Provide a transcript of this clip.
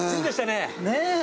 ねえ。